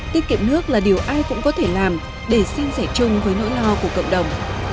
tiết kiệm nước là điều ai cũng có thể làm để xin sẻ chung với nỗi lo của cộng đồng